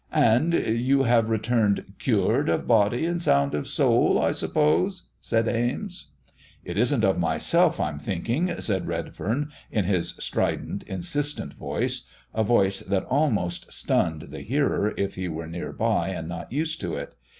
"And you have returned cured of body and sound of soul, I suppose," said Ames. "It isn't of myself I'm thinking," said Redfern, in his strident, insistent voice, a voice that almost stunned the hearer if he were near by and not used to it.